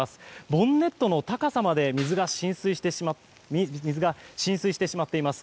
ボンネットの高さまで浸水してしまっています。